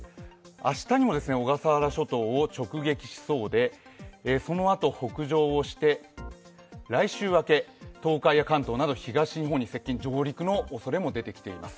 明日にも小笠原諸島を直撃しそうでそのあと北上して、来週明け、東海や関東など、東日本に接近、上陸のおそれも出てきています。